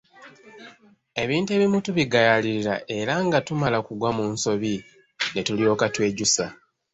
Ebintu ebimu tubigayaalirira era nga tumala kugwa mu nsobi ne tulyoka twejjusa.